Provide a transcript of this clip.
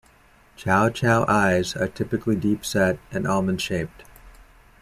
Chow Chow eyes are typically deep set and almond shaped.